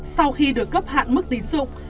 sau khi được cấp hạn mức tín dụng